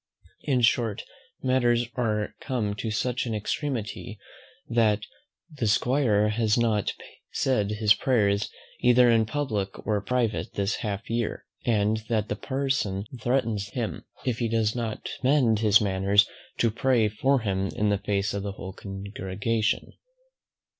In short, matters are come to such an extremity, that the 'squire has not said his prayers either in publick or private this half year; and that the parson threatens him, if he does not mend his manners, to pray for him in the face of the whole congregation.